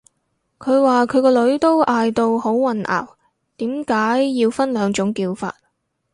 佢話佢個女都嗌到好混淆，點解要分兩種叫法